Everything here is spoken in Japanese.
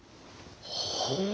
ほう。